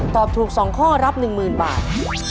ตอบถูก๒ข้อรับ๑๐๐๐บาท